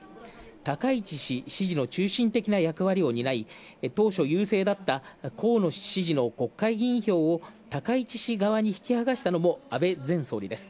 高市氏、役割を担い当初、優勢だった河野氏支持の国会議員票を高市氏側に引き剥がしたのも安倍前総理です。